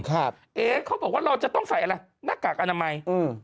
เอ๊เขาบอกว่าเราจะต้องใส่อะไรหน้ากากอนามัยอืม